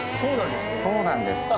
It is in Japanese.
そうなんですね。